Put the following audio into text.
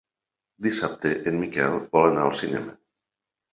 Dissabte en Miquel vol anar al cinema.